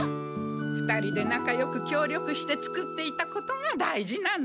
２人でなかよくきょう力して作っていたことが大事なの。